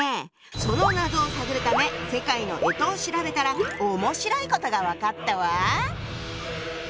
その謎を探るため世界の干支を調べたら面白いことが分かったわ！